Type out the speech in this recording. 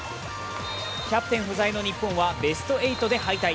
キャプテン不在の日本はベスト８で敗退。